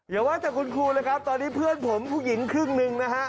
อย่าว่าแต่คุณครูเลยครับตอนนี้เพื่อนผมผู้หญิงครึ่งหนึ่งนะฮะ